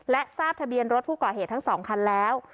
และทราบทะเบียนรถผู้ก่อเหตุทั้ง๒คันแล้ว